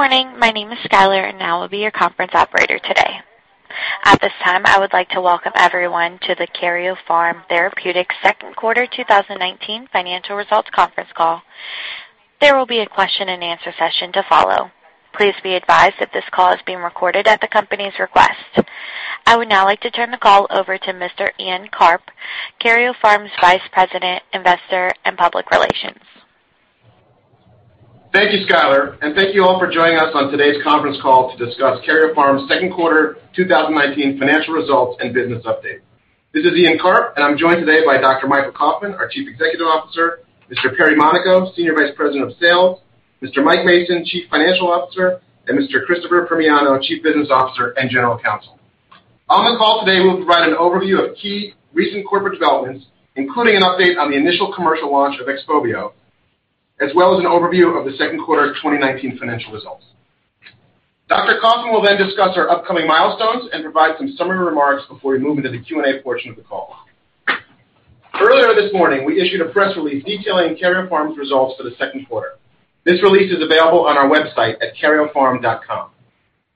Good morning. My name is Skyler, and I will be your conference operator today. At this time, I would like to welcome everyone to the Karyopharm Therapeutics second quarter 2019 financial results conference call. There will be a question and answer session to follow. Please be advised that this call is being recorded at the company's request. I would now like to turn the call over to Mr. Ian Karp, Karyopharm's Vice President, Investor and Public Relations. Thank you, Skyler. Thank you all for joining us on today's conference call to discuss Karyopharm's second quarter 2019 financial results and business update. This is Ian Karp. I'm joined today by Dr. Michael Kauffman, our Chief Executive Officer, Mr. Perry Monaco, Senior Vice President of Sales, Mr. Mike Mason, Chief Financial Officer, and Mr. Christopher Primiano, Chief Business Officer and General Counsel. On the call today, we'll provide an overview of key recent corporate developments, including an update on the initial commercial launch of XPOVIO, as well as an overview of the second quarter 2019 financial results. Dr. Kauffman will discuss our upcoming milestones and provide some summary remarks before we move into the Q&A portion of the call. Earlier this morning, we issued a press release detailing Karyopharm's results for the second quarter. This release is available on our website at karyopharm.com.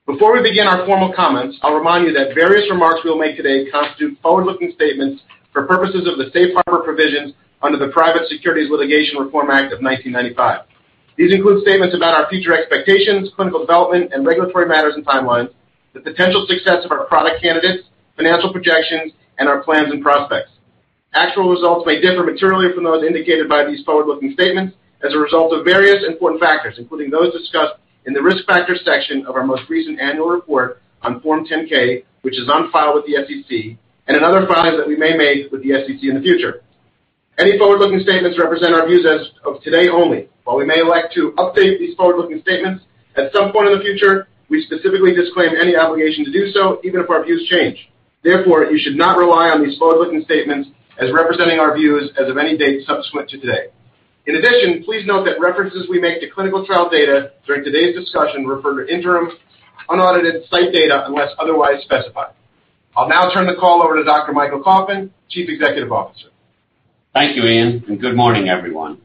Before we begin our formal comments, I'll remind you that various remarks we will make today constitute forward-looking statements for purposes of the safe harbor provisions under the Private Securities Litigation Reform Act of 1995. These include statements about our future expectations, clinical development, and regulatory matters and timelines, the potential success of our product candidates, financial projections, and our plans and prospects. Actual results may differ materially from those indicated by these forward-looking statements as a result of various important factors, including those discussed in the Risk Factors section of our most recent annual report on Form 10-K, which is on file with the SEC, and in other filings that we may make with the SEC in the future. Any forward-looking statements represent our views as of today only. While we may like to update these forward-looking statements at some point in the future, we specifically disclaim any obligation to do so, even if our views change. Therefore, you should not rely on these forward-looking statements as representing our views as of any date subsequent to today. In addition, please note that references we make to clinical trial data during today's discussion refer to interim, unaudited site data unless otherwise specified. I'll now turn the call over to Dr. Michael Kauffman, Chief Executive Officer. Thank you, Ian, and good morning, everyone.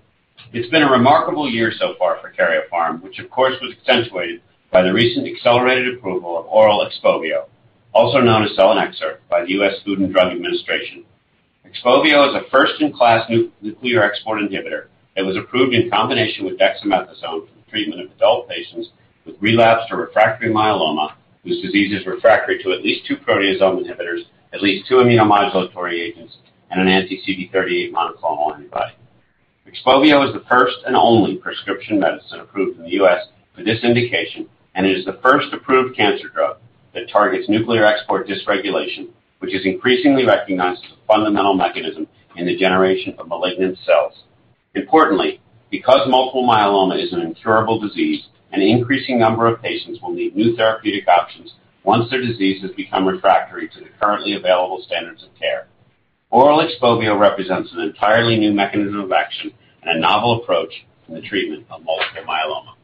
It's been a remarkable year so far for Karyopharm, which of course was accentuated by the recent accelerated approval of oral XPOVIO, also known as selinexor, by the U.S. Food and Drug Administration. XPOVIO is a first-in-class nuclear export inhibitor that was approved in combination with dexamethasone for the treatment of adult patients with relapsed or refractory myeloma, whose disease is refractory to at least two proteasome inhibitors, at least two immunomodulatory agents, and an anti-CD38 monoclonal antibody. XPOVIO is the first and only prescription medicine approved in the U.S. for this indication, and it is the first approved cancer drug that targets nuclear export dysregulation, which is increasingly recognized as a fundamental mechanism in the generation of malignant cells. Importantly, because multiple myeloma is an incurable disease, an increasing number of patients will need new therapeutic options once their disease has become refractory to the currently available standards of care. Oral XPOVIO represents an entirely new mechanism of action and a novel approach in the treatment of multiple myeloma.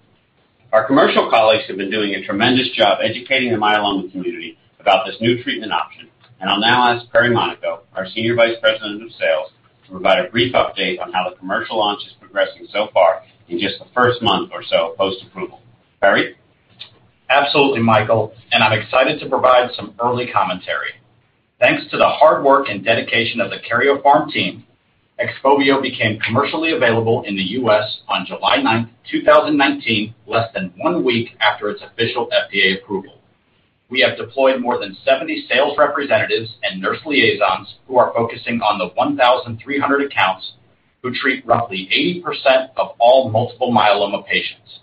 Our commercial colleagues have been doing a tremendous job educating the myeloma community about this new treatment option, and I'll now ask Perry Monaco, our senior vice president of sales, to provide a brief update on how the commercial launch is progressing so far in just the first month or so post-approval. Perry? Absolutely, Michael. I'm excited to provide some early commentary. Thanks to the hard work and dedication of the Karyopharm team, XPOVIO became commercially available in the U.S. on July 9th, 2019, less than one week after its official FDA approval. We have deployed more than 70 sales representatives and nurse liaisons who are focusing on the 1,300 accounts who treat roughly 80% of all multiple myeloma patients.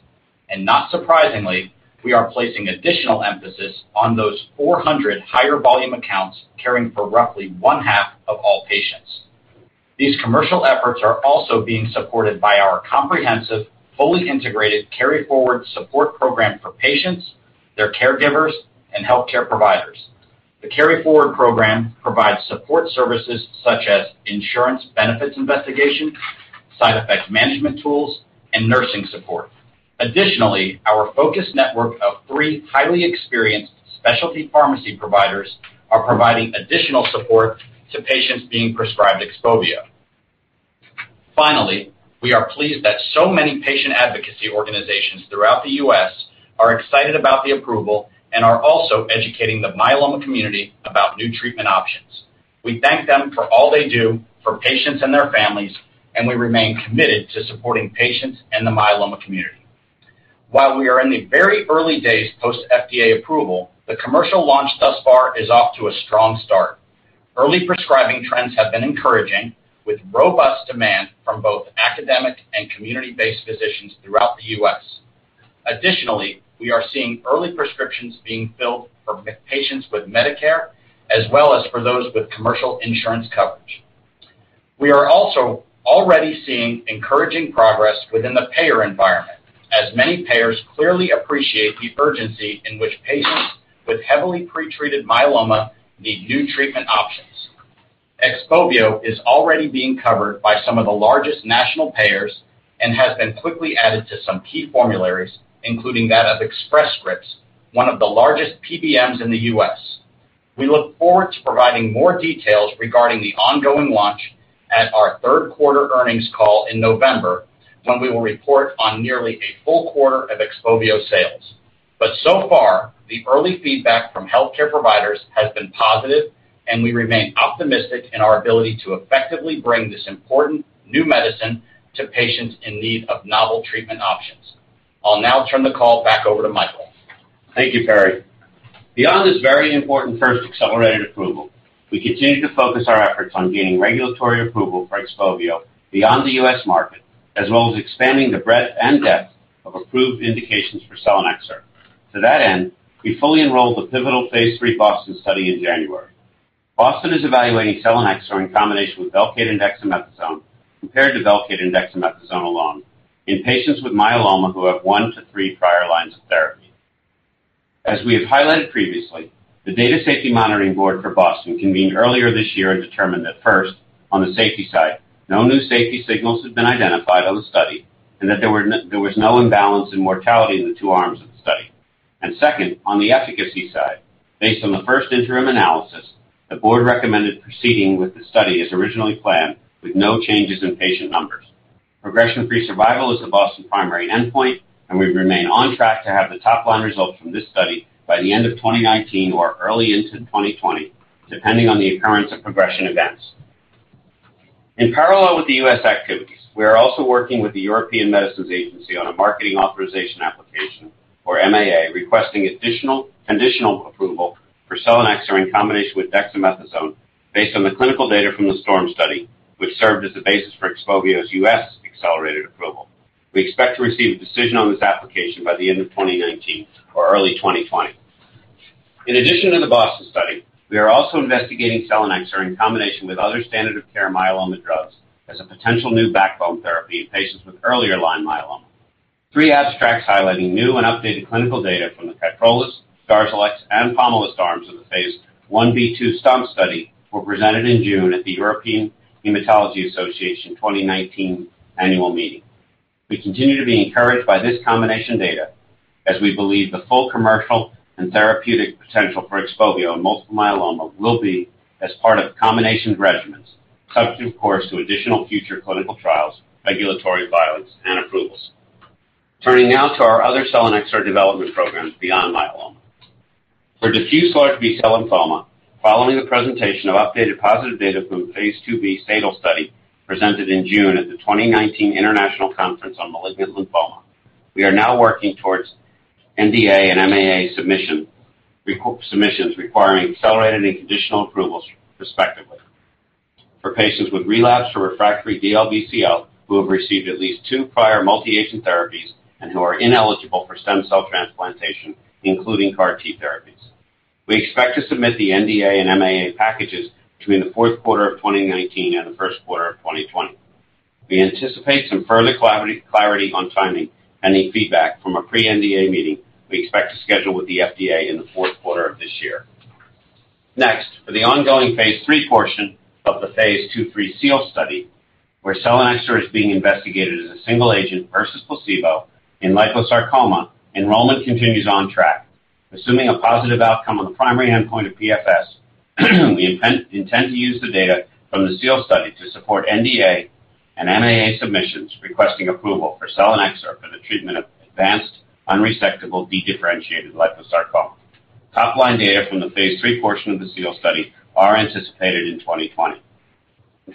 Not surprisingly, we are placing additional emphasis on those 400 higher volume accounts caring for roughly one half of all patients. These commercial efforts are also being supported by our comprehensive, fully integrated KaryForward support program for patients, their caregivers, and healthcare providers. The KaryForward program provides support services such as insurance benefits investigation, side effect management tools, and nursing support. Additionally, our focused network of three highly experienced specialty pharmacy providers are providing additional support to patients being prescribed XPOVIO. Finally, we are pleased that so many patient advocacy organizations throughout the U.S. are excited about the approval and are also educating the myeloma community about new treatment options. We thank them for all they do for patients and their families, and we remain committed to supporting patients and the myeloma community. While we are in the very early days post FDA approval, the commercial launch thus far is off to a strong start. Early prescribing trends have been encouraging, with robust demand from both academic and community-based physicians throughout the U.S. Additionally, we are seeing early prescriptions being filled for patients with Medicare, as well as for those with commercial insurance coverage. We are also already seeing encouraging progress within the payer environment, as many payers clearly appreciate the urgency in which patients with heavily pretreated myeloma need new treatment options. XPOVIO is already being covered by some of the largest national payers and has been quickly added to some key formularies, including that of Express Scripts, one of the largest PBMs in the U.S. We look forward to providing more details regarding the ongoing launch at our third-quarter earnings call in November, when we will report on nearly a full quarter of XPOVIO sales. So far, the early feedback from healthcare providers has been positive, and we remain optimistic in our ability to effectively bring this important new medicine to patients in need of novel treatment options. I'll now turn the call back over to Michael. Thank you, Perry. Beyond this very important first accelerated approval, we continue to focus our efforts on gaining regulatory approval for XPOVIO beyond the U.S. market, as well as expanding the breadth and depth of approved indications for selinexor. To that end, we fully enrolled the pivotal phase III BOSTON study in January. BOSTON is evaluating selinexor in combination with VELCADE and dexamethasone, compared to VELCADE and dexamethasone alone in patients with myeloma who have 1 to 3 prior lines of therapy. As we have highlighted previously, the Data Safety Monitoring Board for BOSTON convened earlier this year and determined that first, on the safety side, no new safety signals have been identified on the study and that there was no imbalance in mortality in the two arms of the study. Second, on the efficacy side, based on the first interim analysis, the board recommended proceeding with the study as originally planned, with no changes in patient numbers. Progression-free survival is the BOSTON primary endpoint, and we remain on track to have the top-line results from this study by the end of 2019 or early into 2020, depending on the occurrence of progression events. In parallel with the U.S. activities, we are also working with the European Medicines Agency on a Marketing Authorisation Application, or MAA, requesting additional conditional approval for selinexor in combination with dexamethasone based on the clinical data from the STORM study, which served as the basis for XPOVIO's U.S. accelerated approval. We expect to receive a decision on this application by the end of 2019 or early 2020. In addition to the BOSTON study, we are also investigating selinexor in combination with other standard of care myeloma drugs as a potential new backbone therapy in patients with earlier-line myeloma. Three abstracts highlighting new and updated clinical data from the KYPROLIS, DARZALEX, and POMALYST arms of the phase I-B/II STOMP study were presented in June at the European Hematology Association 2019 annual meeting. We continue to be encouraged by this combination data, as we believe the full commercial and therapeutic potential for XPOVIO in multiple myeloma will be as part of combination regimens, subject of course, to additional future clinical trials, regulatory filings, and approvals. Turning now to our other selinexor development programs beyond myeloma. For diffuse large B-cell lymphoma, following the presentation of updated positive data from the phase II-B SADAL study presented in June at the 2019 International Conference on Malignant Lymphoma, we are now working towards NDA and MAA submissions requiring accelerated and conditional approvals respectively for patients with relapsed or refractory DLBCL who have received at least two prior multi-agent therapies and who are ineligible for stem cell transplantation, including CAR T therapies. We expect to submit the NDA and MAA packages between the fourth quarter of 2019 and the first quarter of 2020. We anticipate some further clarity on timing and any feedback from a pre-NDA meeting we expect to schedule with the FDA in the fourth quarter of this year. For the ongoing phase III portion of the phase II/III SEAL study, where selinexor is being investigated as a single agent versus placebo in liposarcoma, enrollment continues on track. Assuming a positive outcome on the primary endpoint of PFS, we intend to use the data from the SEAL study to support NDA and MAA submissions requesting approval for selinexor for the treatment of advanced unresectable dedifferentiated liposarcoma. Top-line data from the phase III portion of the SEAL study are anticipated in 2020.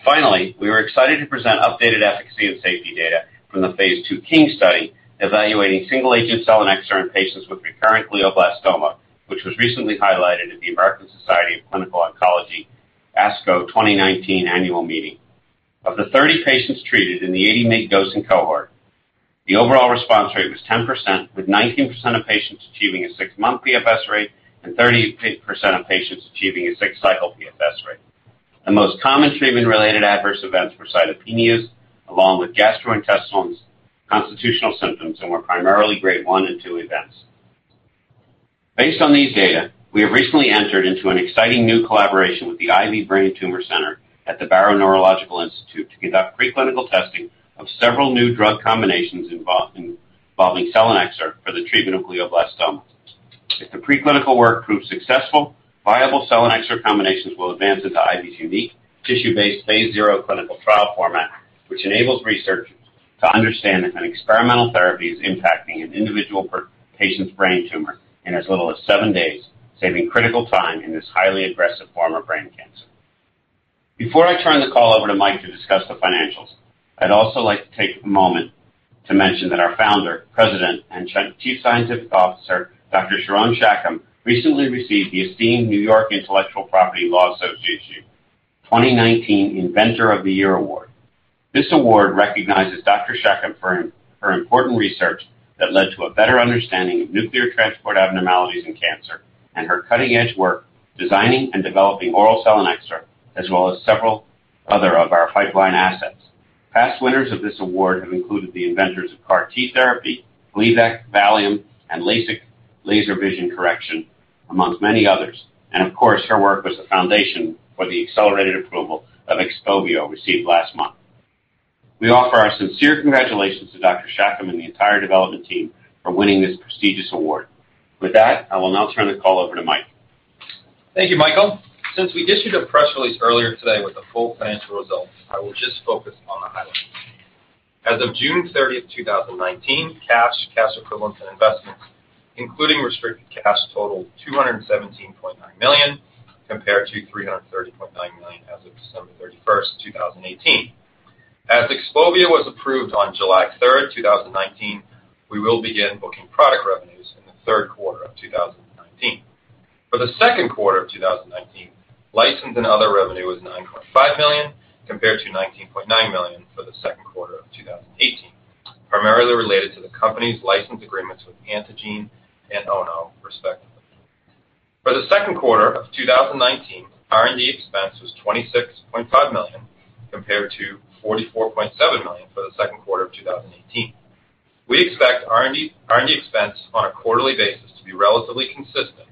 Finally, we were excited to present updated efficacy and safety data from the phase II KING study evaluating single-agent selinexor in patients with recurrent glioblastoma, which was recently highlighted at the American Society of Clinical Oncology, ASCO, 2019 annual meeting. Of the 30 patients treated in the 80 mg dosing cohort, the overall response rate was 10%, with 19% of patients achieving a six-month PFS rate and 38% of patients achieving a six-cycle PFS rate. The most common treatment-related adverse events were cytopenias, along with gastrointestinal, constitutional symptoms, and were primarily Grade 1 and 2 events. Based on these data, we have recently entered into an exciting new collaboration with the Ivy Brain Tumor Center at the Barrow Neurological Institute to conduct preclinical testing of several new drug combinations involving selinexor for the treatment of glioblastoma. If the preclinical work proves successful, viable selinexor combinations will advance into Ivy's unique tissue-based phase 0 clinical trial format, which enables researchers to understand if an experimental therapy is impacting an individual patient's brain tumor in as little as seven days, saving critical time in this highly aggressive form of brain cancer. Before I turn the call over to Mike to discuss the financials, I'd also like to take a moment to mention that our founder, president, and chief scientific officer, Dr. Sharon Shacham, recently received the esteemed New York Intellectual Property Law Association 2019 Inventor of the Year award. This award recognizes Dr. Shacham for her important research that led to a better understanding of nuclear transport abnormalities in cancer and her cutting-edge work designing and developing oral selinexor, as well as several other of our pipeline assets. Past winners of this award have included the inventors of CAR T therapy, Gleevec, Valium, and LASIK laser vision correction, amongst many others. Of course, her work was the foundation for the accelerated approval of XPOVIO received last month. We offer our sincere congratulations to Dr. Shacham and the entire development team for winning this prestigious award. With that, I will now turn the call over to Mike. Thank you, Michael. Since we issued a press release earlier today with the full financial results, I will just focus on the highlights. As of June 30th, 2019, cash equivalents, and investments including restricted cash totaled $217.9 million compared to $330.9 million as of December 31st, 2018. As XPOVIO was approved on July 3rd, 2019, we will begin booking product revenues in the third quarter of 2019. For the second quarter of 2019, license and other revenue was $9.5 million compared to $19.9 million for the second quarter of 2018, primarily related to the company's license agreements with Antengene and Ono, respectively. For the second quarter of 2019, R&D expense was $26.5 million compared to $44.7 million for the second quarter of 2018. We expect R&D expense on a quarterly basis to be relatively consistent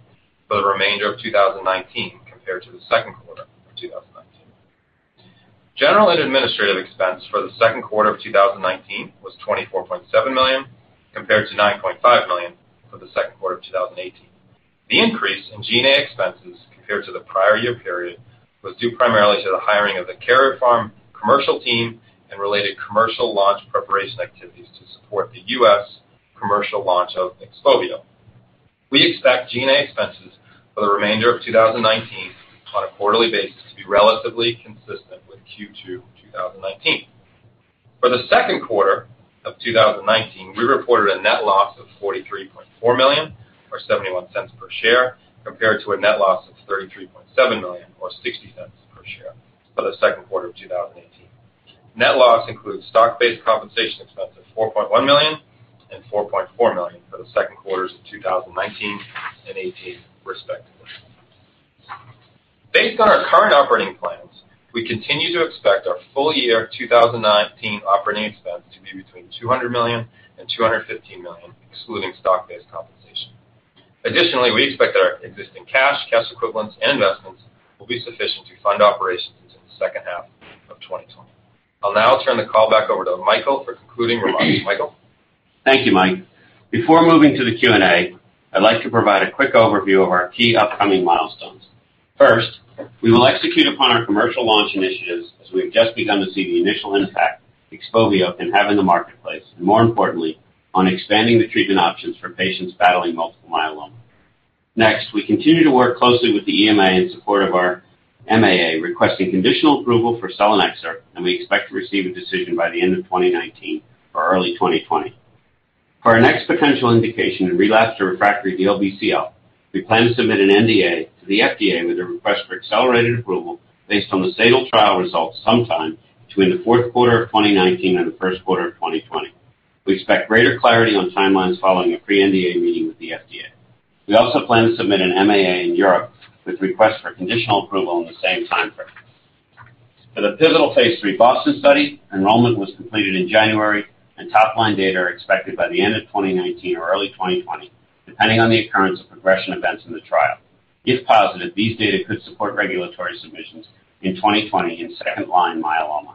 for the remainder of 2019 compared to the second quarter of 2019. General and administrative expense for the second quarter of 2019 was $24.7 million compared to $9.5 million for the second quarter of 2018. The increase in G&A expenses compared to the prior year period was due primarily to the hiring of the Karyopharm commercial team and related commercial launch preparation activities to support the U.S. commercial launch of XPOVIO. We expect G&A expenses for the remainder of 2019 on a quarterly basis to be relatively consistent with Q2 2019. For the second quarter of 2019, we reported a net loss of $43.4 million or $0.71 per share compared to a net loss of $33.7 million or $0.60 per share for the second quarter of 2018. Net loss includes stock-based compensation expense of $4.1 million and $4.4 million for the second quarters of 2019 and 2018, respectively. Based on our current operating plans, we continue to expect our full year 2019 operating expense to be between $200 million and $215 million, excluding stock-based compensation. We expect that our existing cash equivalents, and investments will be sufficient to fund operations in the second half of 2020. I'll now turn the call back over to Michael for concluding remarks. Michael? Thank you, Mike. Before moving to the Q&A, I'd like to provide a quick overview of our key upcoming milestones. First, we will execute upon our commercial launch initiatives as we have just begun to see the initial impact XPOVIO can have in the marketplace, and more importantly, on expanding the treatment options for patients battling multiple myeloma. We continue to work closely with the EMA in support of our MAA requesting conditional approval for selinexor, and we expect to receive a decision by the end of 2019 or early 2020. For our next potential indication in relapsed or refractory DLBCL, we plan to submit an NDA to the FDA with a request for accelerated approval based on the SADAL trial results sometime between the fourth quarter of 2019 and the first quarter of 2020. We expect greater clarity on timelines following a pre-NDA meeting with the FDA. We also plan to submit an MAA in Europe with request for conditional approval in the same time frame. For the pivotal phase III BOSTON study, enrollment was completed in January, and top-line data are expected by the end of 2019 or early 2020, depending on the occurrence of progression events in the trial. If positive, these data could support regulatory submissions in 2020 in second-line myeloma.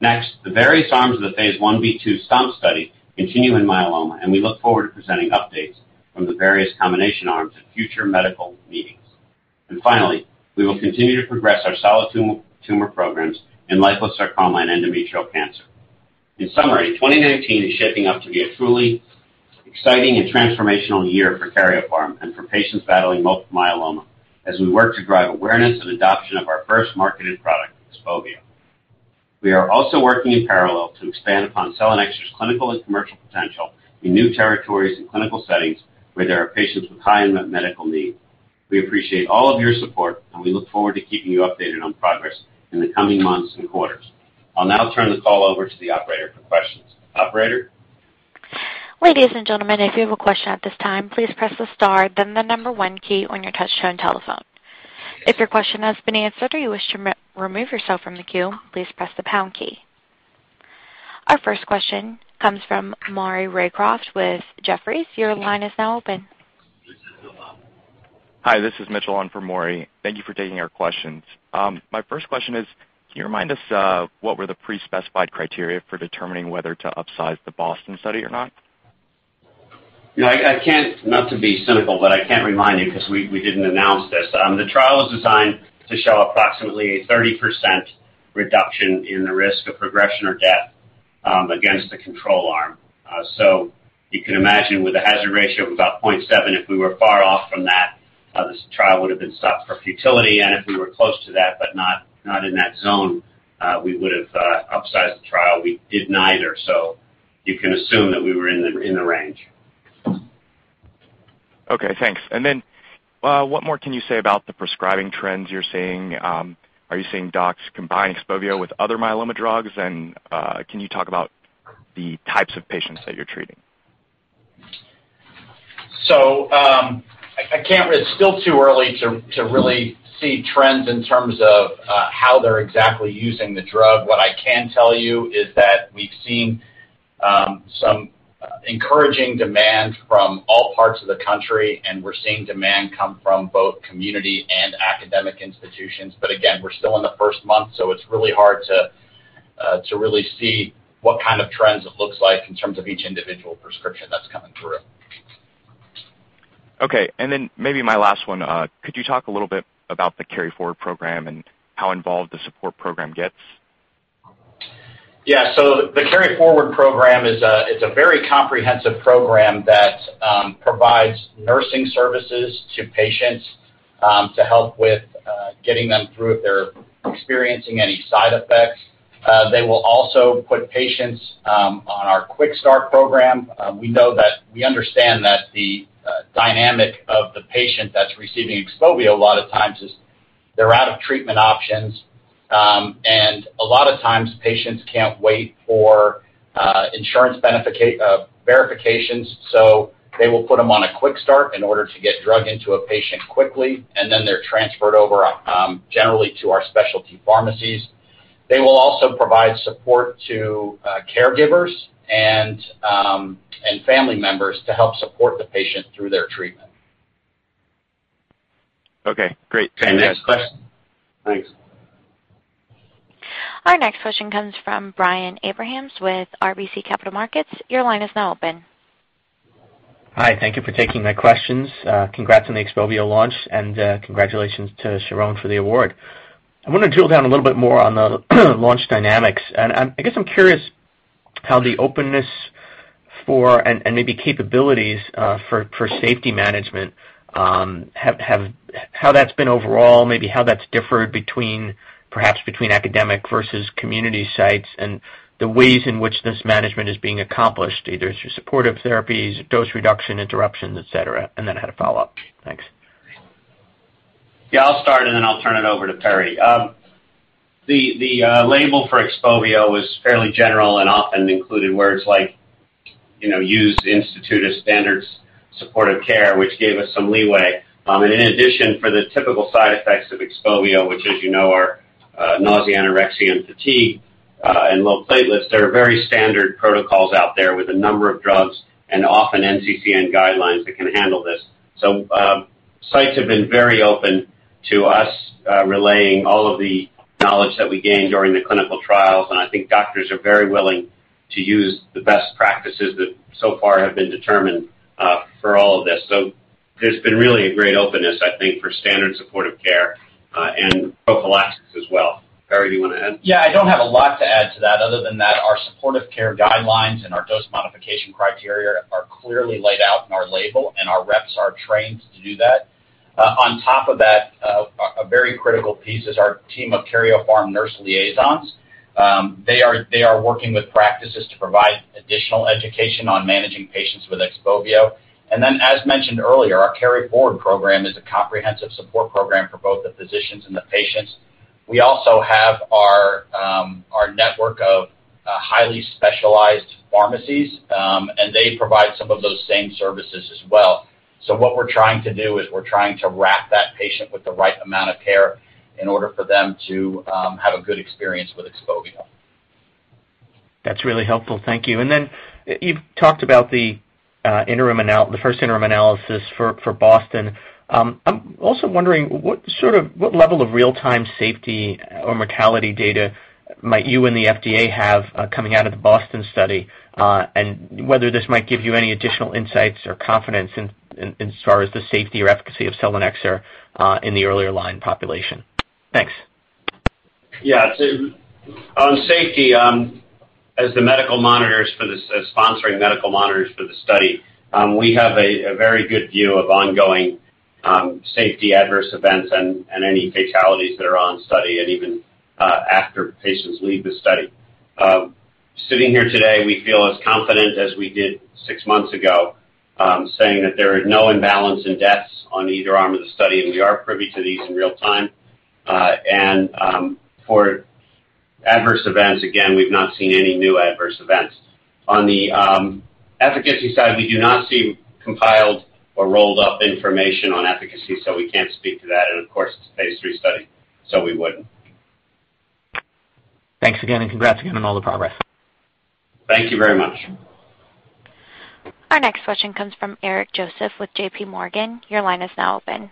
Next, the various arms of the phase I-B/II STOMP study continue in myeloma, and we look forward to presenting updates from the various combination arms at future medical meetings. Finally, we will continue to progress our solid tumor programs in liposarcoma and endometrial cancer. In summary, 2019 is shaping up to be a truly exciting and transformational year for Karyopharm and for patients battling multiple myeloma as we work to drive awareness and adoption of our first marketed product, XPOVIO. We are also working in parallel to expand upon selinexor's clinical and commercial potential in new territories and clinical settings where there are patients with high medical need. We appreciate all of your support, and we look forward to keeping you updated on progress in the coming months and quarters. I'll now turn the call over to the operator for questions. Operator? Ladies and gentlemen, if you have a question at this time, please press the star, then the number one key on your touchtone telephone. If your question has been answered or you wish to remove yourself from the queue, please press the pound key. Our first question comes from Maury Raycroft with Jefferies. Your line is now open. Hi, this is Mitchell on for Maury. Thank you for taking our questions. My first question is, can you remind us what were the pre-specified criteria for determining whether to upsize the BOSTON study or not? No, I can't. Not to be cynical, I can't remind you because we didn't announce this. The trial is designed to show approximately a 30% reduction in the risk of progression or death against the control arm. You can imagine with a hazard ratio of about 0.7, if we were far off from that, this trial would've been stopped for futility. If we were close to that but not in that zone, we would have upsized the trial. We did neither, you can assume that we were in the range. Okay, thanks. What more can you say about the prescribing trends you're seeing? Are you seeing docs combine XPOVIO with other myeloma drugs? Can you talk about the types of patients that you're treating? It's still too early to really see trends in terms of how they're exactly using the drug. What I can tell you is that we've seen some encouraging demand from all parts of the country, and we're seeing demand come from both community and academic institutions. Again, we're still in the first month, so it's really hard to really see what kind of trends it looks like in terms of each individual prescription that's coming through. Okay. Maybe my last one. Could you talk a little bit about the KaryForward program and how involved the support program gets? The KaryForward program is a very comprehensive program that provides nursing services to patients, to help with getting them through if they're experiencing any side effects. They will also put patients on our QuickStart program. We understand that the dynamic of the patient that's receiving XPOVIO a lot of times is they're out of treatment options. A lot of times patients can't wait for insurance verifications, so they will put them on a QuickStart in order to get drug into a patient quickly, and then they're transferred over, generally to our specialty pharmacies. They will also provide support to caregivers and family members to help support the patient through their treatment. Okay, great. Thanks. Next question. Thanks. Our next question comes from Brian Abrahams with RBC Capital Markets. Your line is now open. Hi. Thank you for taking my questions. Congrats on the XPOVIO launch and congratulations to Sharon for the award. I want to drill down a little bit more on the launch dynamics. I guess I'm curious how the openness for, and maybe capabilities, for safety management, how that's been overall, maybe how that's differed perhaps between academic versus community sites and the ways in which this management is being accomplished, either through supportive therapies, dose reduction, interruptions, et cetera. I had a follow-up. Thanks. Yeah, I'll start and then I'll turn it over to Perry. The label for XPOVIO was fairly general and often included words like, use instituted standards supportive care, which gave us some leeway. In addition for the typical side effects of XPOVIO, which as you know are nausea, anorexia, and fatigue, and low platelets, there are very standard protocols out there with a number of drugs and often NCCN guidelines that can handle this. Sites have been very open to us relaying all of the knowledge that we gained during the clinical trials, and I think doctors are very willing to use the best practices that so far have been determined for all of this. There's been really a great openness, I think, for standard supportive care, and prophylactics as well. Perry, do you want to add? I don't have a lot to add to that other than that our supportive care guidelines and our dose modification criteria are clearly laid out in our label, and our reps are trained to do that. On top of that, a very critical piece is our team of Karyopharm nurse liaisons. They are working with practices to provide additional education on managing patients with XPOVIO. As mentioned earlier, our KaryForward program is a comprehensive support program for both the physicians and the patients. We also have our network of highly specialized pharmacies, and they provide some of those same services as well. What we're trying to do is we're trying to wrap that patient with the right amount of care in order for them to have a good experience with XPOVIO. That's really helpful. Thank you. Then you've talked about the first interim analysis for BOSTON. I'm also wondering what level of real-time safety or mortality data might you and the FDA have coming out of the BOSTON study, and whether this might give you any additional insights or confidence as far as the safety or efficacy of selinexor in the earlier line population. Thanks. Yeah. On safety, as sponsoring medical monitors for the study, we have a very good view of ongoing safety adverse events and any fatalities that are on study and even after patients leave the study. Sitting here today, we feel as confident as we did six months ago, saying that there is no imbalance in deaths on either arm of the study, and we are privy to these in real time. For adverse events, again, we've not seen any new adverse events. On the efficacy side, we do not see compiled or rolled-up information on efficacy, so we can't speak to that. Of course, it's a phase III study, so we wouldn't. Thanks again, and congrats again on all the progress. Thank you very much. Our next question comes from Eric Joseph with JPMorgan. Your line is now open.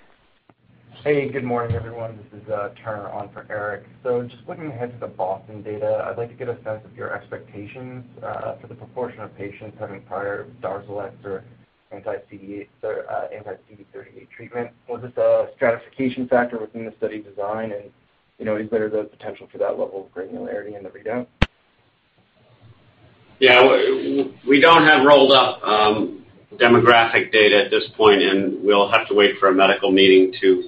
Hey, good morning, everyone. This is Turner on for Eric. Just looking ahead to the BOSTON data, I'd like to get a sense of your expectations for the proportion of patients having prior DARZALEX or anti-CD38 treatment. Was this a stratification factor within the study design? Is there the potential for that level of granularity in the readout? Yeah. We don't have rolled up demographic data at this point, and we'll have to wait for a medical meeting to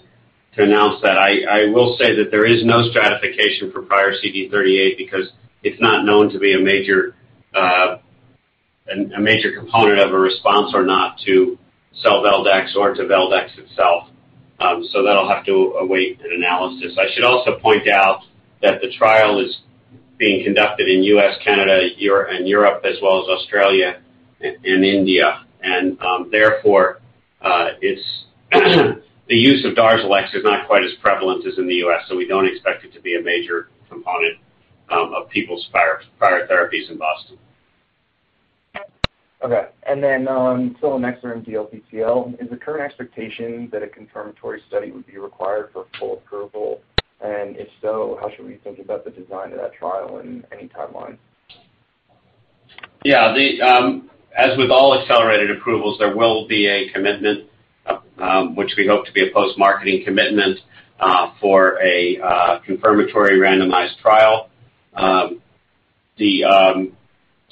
announce that. I will say that there is no stratification for prior CD38 because it's not known to be a major component of a response or not to selinexor-dexamethasone or to Velcade-dexamethasone itself. That'll have to await an analysis. I should also point out that the trial is being conducted in U.S., Canada, and Europe, as well as Australia and India. Therefore, the use of DARZALEX is not quite as prevalent as in the U.S., so we don't expect it to be a major component of people's prior therapies in BOSTON. Okay. On selinexor and DLBCL, is the current expectation that a confirmatory study would be required for full approval? If so, how should we think about the design of that trial and any timeline? Yeah. As with all accelerated approvals, there will be a commitment, which we hope to be a post-marketing commitment, for a confirmatory randomized trial.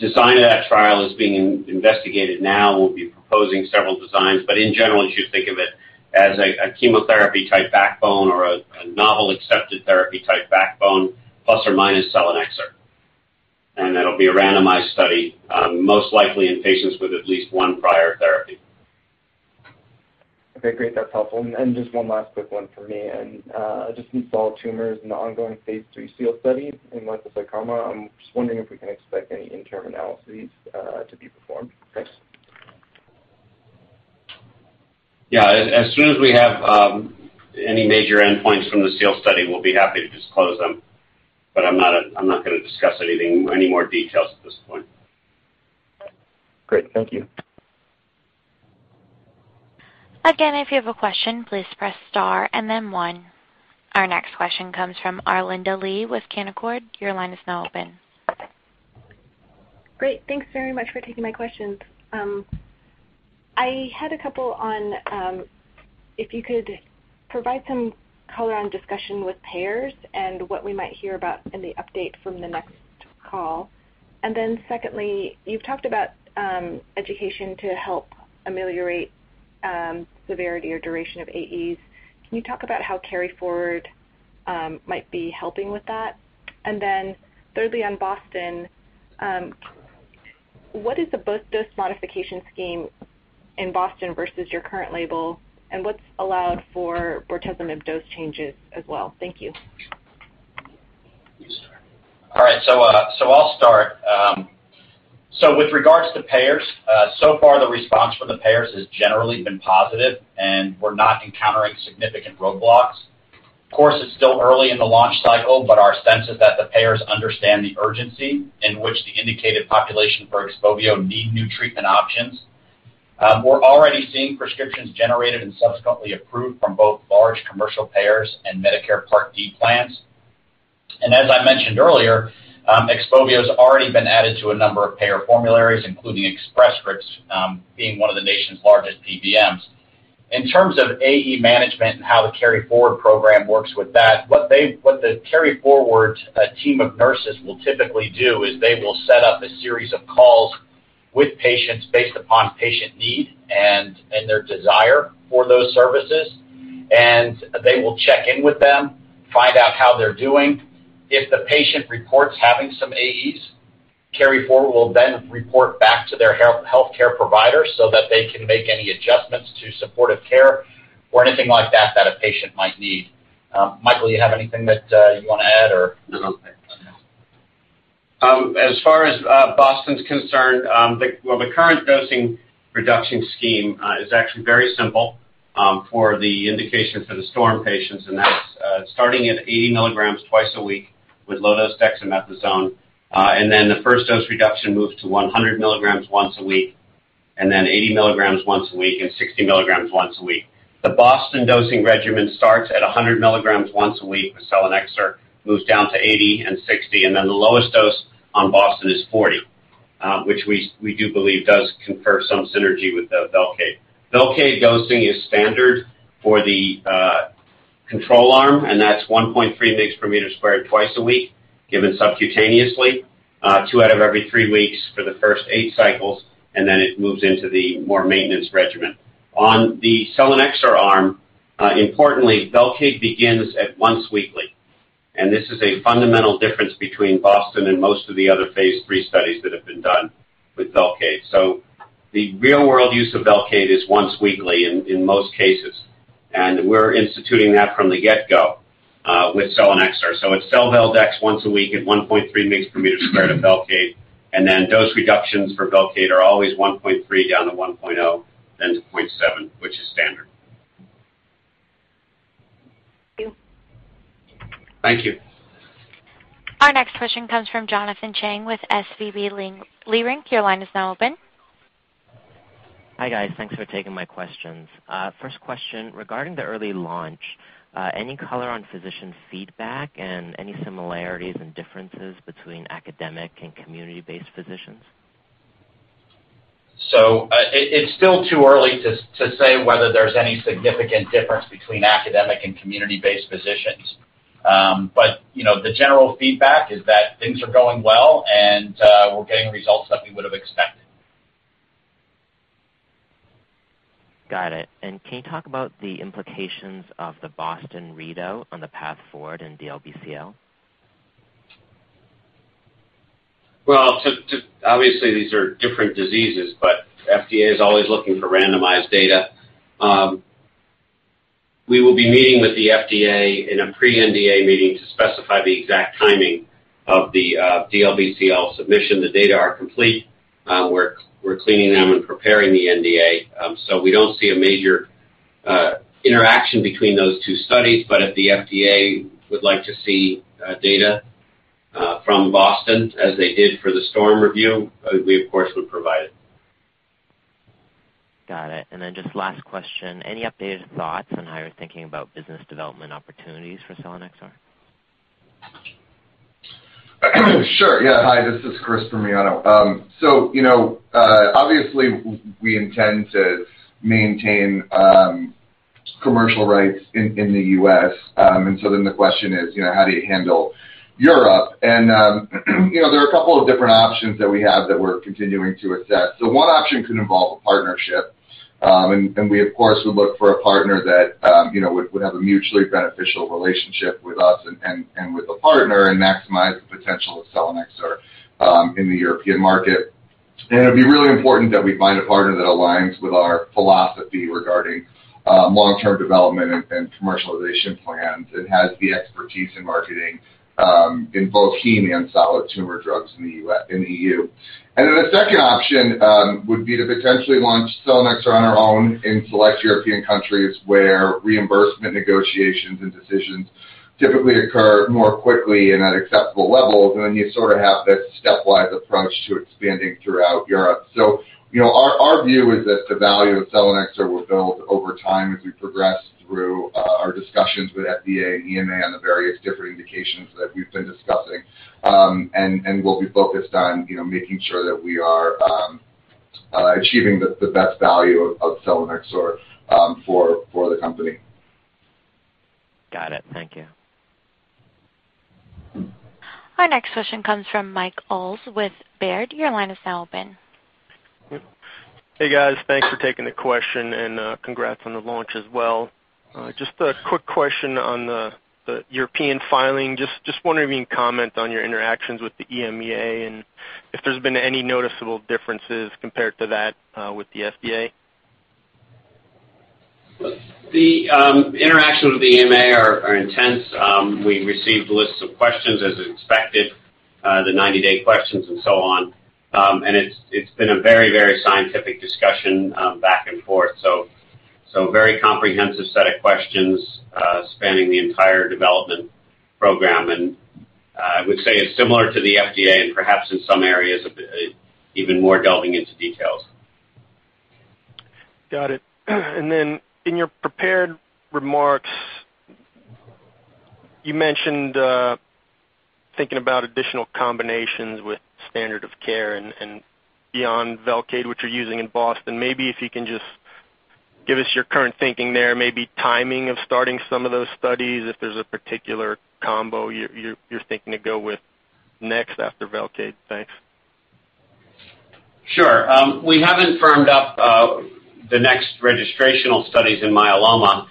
The design of that trial is being investigated now. In general, you should think of it as a chemotherapy-type backbone or a novel accepted therapy-type backbone, plus or minus selinexor. That'll be a randomized study, most likely in patients with at least one prior therapy. Okay, great. That's helpful. Just one last quick one from me, in solid tumors in the ongoing phase III SEAL study in liposarcoma, I'm just wondering if we can expect any interim analyses to be performed. Thanks. Yeah, as soon as we have any major endpoints from the SEAL study, we'll be happy to disclose them, but I'm not going to discuss any more details at this point. Great. Thank you. Again, if you have a question, please press star and then one. Our next question comes from Arlinda Lee with Canaccord. Your line is now open. Great. Thanks very much for taking my questions. I had a couple on if you could provide some color on discussion with payers and what we might hear about in the update from the next call. Secondly, you've talked about education to help ameliorate severity or duration of AEs. Can you talk about how KaryForward might be helping with that? Thirdly, on BOSTON, what is the dose modification scheme in BOSTON versus your current label, and what's allowed for bortezomib dose changes as well? Thank you. All right. I'll start. With regards to payers, so far the response from the payers has generally been positive, and we're not encountering significant roadblocks. Of course, it's still early in the launch cycle, but our sense is that the payers understand the urgency in which the indicated population for XPOVIO need new treatment options. We're already seeing prescriptions generated and subsequently approved from both large commercial payers and Medicare Part D plans. As I mentioned earlier, XPOVIO has already been added to a number of payer formularies, including Express Scripts, being one of the nation's largest PBMs. In terms of AE management and how the KaryForward program works with that, what the KaryForward team of nurses will typically do is they will set up a series of calls with patients based upon patient need and their desire for those services. They will check in with them, find out how they're doing. If the patient reports having some AEs, KaryForward will then report back to their healthcare provider so that they can make any adjustments to supportive care or anything like that that a patient might need. Michael, you have anything that you want to add, or? No, nothing. As far as BOSTON is concerned, well, the current dosing reduction scheme is actually very simple for the indications for the STORM patients, that's starting at 80 milligrams twice a week with low-dose dexamethasone. The first dose reduction moves to 100 milligrams once a week, 80 milligrams once a week, 60 milligrams once a week. The BOSTON dosing regimen starts at 100 milligrams once a week with selinexor, moves down to 80 and 60, the lowest dose on BOSTON is 40, which we do believe does confer some synergy with the Velcade. Velcade dosing is standard for the control arm, that's 1.3 mg per meter squared twice a week, given subcutaneously, two out of every three weeks for the first eight cycles, it moves into the more maintenance regimen. On the selinexor arm, importantly, Velcade begins at once weekly, and this is a fundamental difference between BOSTON and most of the other phase III studies that have been done with Velcade. The real-world use of Velcade is once weekly in most cases, and we're instituting that from the get-go with selinexor. It's selinexor once a week at 1.3 mg per meter squared of Velcade, and then dose reductions for Velcade are always 1.3 down to 1.0, then to 0.7, which is standard. Thank you. Thank you. Our next question comes from Jonathan Chang with SVB Leerink. Your line is now open. Hi, guys. Thanks for taking my questions. First question, regarding the early launch, any color on physician feedback and any similarities and differences between academic and community-based physicians? It's still too early to say whether there's any significant difference between academic and community-based physicians. The general feedback is that things are going well, and we're getting results that we would have expected. Got it. Can you talk about the implications of the BOSTON readout on the path forward in DLBCL? Well, obviously these are different diseases. FDA is always looking for randomized data. We will be meeting with the FDA in a pre-NDA meeting to specify the exact timing of the DLBCL submission. The data are complete. We're cleaning them and preparing the NDA. We don't see a major interaction between those two studies. If the FDA would like to see data from BOSTON as they did for the STORM review, we of course, would provide it. Got it. Just last question, any updated thoughts on how you're thinking about business development opportunities for selinexor? Sure. Yeah. Hi, this is Chris Primiano. Obviously we intend to maintain commercial rights in the U.S., the question is how do you handle Europe? There are a couple of different options that we have that we're continuing to assess. One option could involve a partnership, we of course, would look for a partner that would have a mutually beneficial relationship with us and with the partner and maximize the potential of selinexor in the European market. It'd be really important that we find a partner that aligns with our philosophy regarding long-term development and commercialization plans and has the expertise in marketing in both heme and solid tumor drugs in the EU. A second option would be to potentially launch selinexor on our own in select European countries where reimbursement negotiations and decisions typically occur more quickly and at acceptable levels. You sort of have this stepwise approach to expanding throughout Europe. Our view is that the value of selinexor will build over time as we progress through our discussions with FDA and EMA on the various different indications that we've been discussing. We'll be focused on making sure that we are achieving the best value of selinexor for the company. Got it. Thank you. Our next question comes from Mike Ahles with Baird. Your line is now open. Hey, guys. Thanks for taking the question and congrats on the launch as well. Just a quick question on the European filing. Just wondering if you can comment on your interactions with the EMA and if there's been any noticeable differences compared to that with the FDA. Look, the interactions with the EMA are intense. We received lists of questions as expected, the 90-day questions and so on. It's been a very scientific discussion back and forth. Very comprehensive set of questions spanning the entire development program and I would say it's similar to the FDA and perhaps in some areas, even more delving into details. Got it. In your prepared remarks, you mentioned thinking about additional combinations with standard of care and beyond VELCADE, which you're using in BOSTON. Maybe if you can just give us your current thinking there, maybe timing of starting some of those studies, if there's a particular combo you're thinking to go with next after VELCADE. Thanks. Sure. We haven't firmed up the next registrational studies in myeloma.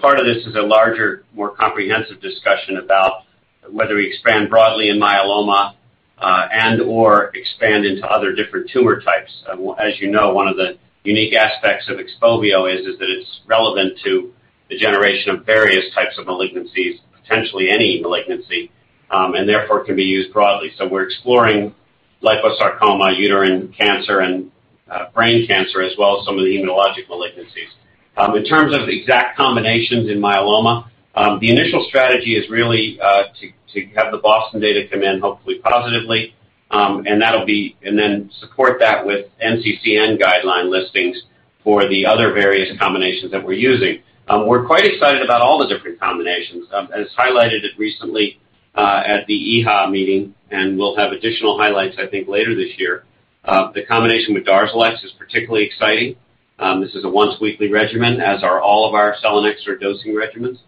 Part of this is a larger, more comprehensive discussion about whether we expand broadly in myeloma, and/or expand into other different tumor types. As you know, one of the unique aspects of XPOVIO is that it's relevant to the generation of various types of malignancies, potentially any malignancy, and therefore can be used broadly. We're exploring liposarcoma, uterine cancer, and brain cancer as well as some of the hematologic malignancies. In terms of exact combinations in myeloma, the initial strategy is really to have the BOSTON data come in, hopefully positively. Then support that with NCCN guideline listings for the other various combinations that we're using. We're quite excited about all the different combinations, as highlighted recently at the EHA meeting, and we'll have additional highlights, I think, later this year. The combination with DARZALEX is particularly exciting. This is a once-weekly regimen, as are all of our selinexor dosing regimens.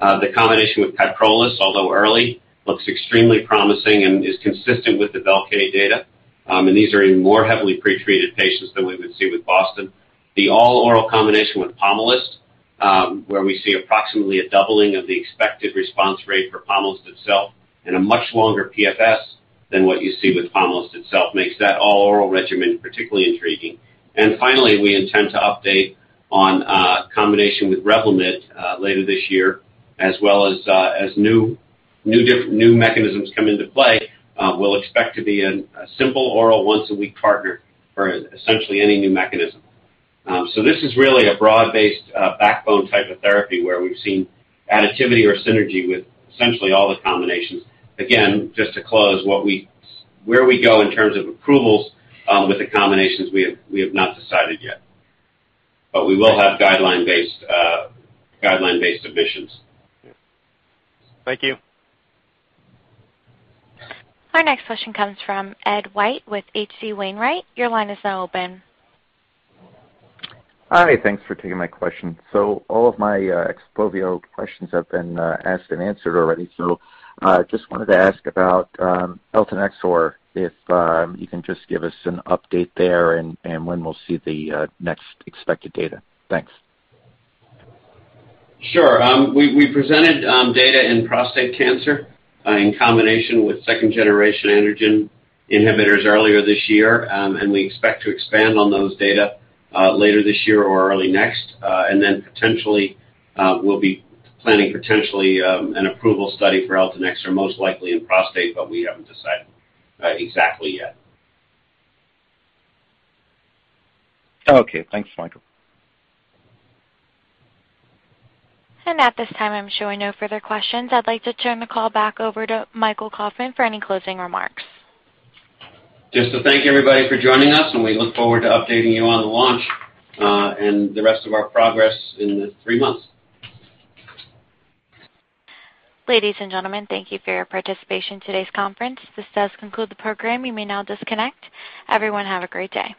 The combination with KYPROLIS, although early, looks extremely promising and is consistent with the VELCADE data, and these are in more heavily pretreated patients than we would see with BOSTON. The all-oral combination with POMALYST, where we see approximately a doubling of the expected response rate for POMALYST itself and a much longer PFS than what you see with POMALYST itself, makes that all-oral regimen particularly intriguing. Finally, we intend to update on combination with REVLIMID later this year, as well as new mechanisms come into play, we'll expect to be a simple oral once-a-week partner for essentially any new mechanism. This is really a broad-based backbone type of therapy where we've seen additivity or synergy with essentially all the combinations. Again, just to close, where we go in terms of approvals with the combinations, we have not decided yet. We will have guideline-based submissions. Thank you. Our next question comes from Ed White with H.C. Wainwright. Your line is now open. Hi. Thanks for taking my question. All of my XPOVIO questions have been asked and answered already. Just wanted to ask about eltanexor, if you can just give us an update there and when we'll see the next expected data. Thanks. Sure. We presented data in prostate cancer in combination with second-generation androgen inhibitors earlier this year, and we expect to expand on those data later this year or early next. Potentially, we'll be planning potentially an approval study for eltanexor, most likely in prostate, but we haven't decided exactly yet. Okay. Thanks, Michael. At this time, I'm showing no further questions. I'd like to turn the call back over to Michael Kauffman for any closing remarks. Just to thank everybody for joining us, and we look forward to updating you on the launch, and the rest of our progress in the three months. Ladies and gentlemen, thank you for your participation in today's conference. This does conclude the program. You may now disconnect. Everyone have a great day.